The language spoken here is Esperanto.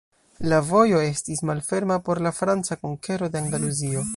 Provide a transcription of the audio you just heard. La vojo estis malferma por la franca konkero de Andaluzio.